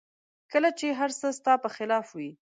کله چې هر څه ستا په خلاف وي